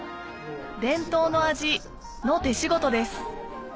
「伝統の味」の手仕事です